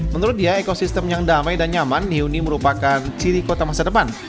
menurut dia ekosistem yang damai dan nyaman neuni merupakan ciri kota masa depan